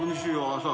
朝。